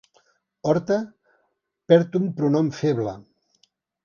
Horta perd un pronom feble.